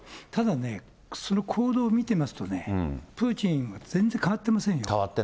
ただね、その行動を見てますとね、プーチンは全然変わってませんよ。